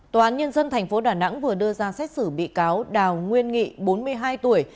tòa án nhân dân tp đà nẵng vừa đưa ra xét xử bị cáo đào nguyên nghị bốn mươi hai tuổi